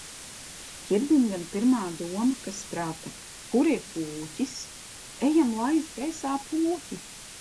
Ķirbim gan pirmā doma kas prāta – kur ir pūķis? Ejam laist gaisā pūķi!